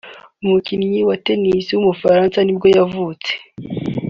umukinnyikazi wa tennis w’umufaransa ni bwo yavutse